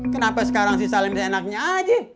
kenapa sekarang si salim bisa enaknya aja